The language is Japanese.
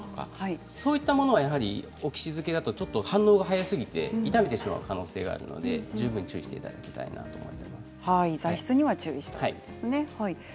そういったものはオキシ漬けだとちょっと反応が早すぎて傷めてしまう可能性があるので十分注意していただきたいなと思います。